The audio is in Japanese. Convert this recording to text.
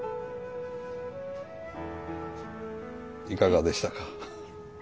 いかがでしたか？